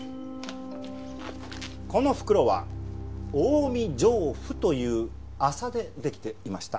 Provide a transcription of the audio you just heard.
この袋は近江上布という麻でできていました。